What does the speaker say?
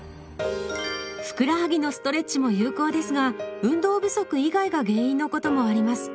ふくらはぎのストレッチも有効ですが運動不足以外が原因のこともあります。